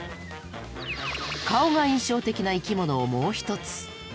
顔が印象的な生きものをもう一つ。